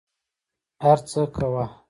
هر څه کوه.